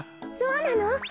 そうなの！